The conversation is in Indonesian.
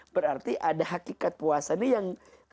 berarti ada hakikat puasa ini yang